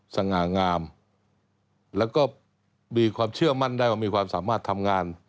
สง่างามแล้วก็มีความเชื่อมั่นได้ว่ามีความสามารถทำงาน